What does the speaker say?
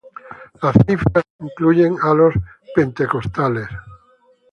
Las cifras incluyen a los pentecostales.